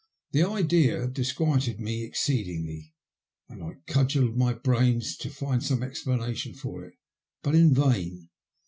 The idea disquieted me exceedingly. I cudgelled my brains to find some explanation for it, but in vain.